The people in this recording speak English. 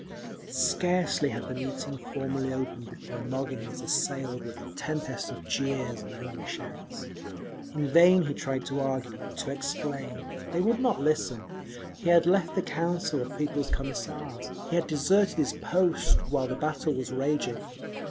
Scarcely had the meeting formally opened before Nogin was assailed with a tempest of jeers and angry shouts. In vain he tried to argue, to explain; they would not listen. He had left the Council of People's Commissars; he had deserted his post while the battle was raging.